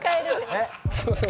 すいません。